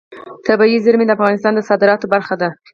طبیعي زیرمې د افغانستان د صادراتو برخه ده.